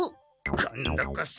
今度こそ。